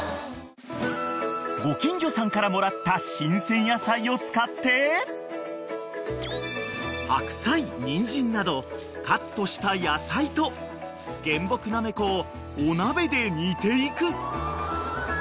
［ご近所さんからもらった新鮮野菜を使って白菜にんじんなどカットした野菜と原木なめこをお鍋で煮ていく］